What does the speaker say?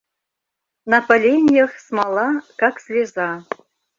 На поленьях смола, как слеза...